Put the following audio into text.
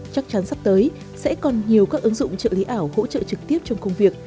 chắc chắn sắp tới sẽ còn nhiều các ứng dụng trợ lý ảo hỗ trợ trực tiếp trong công việc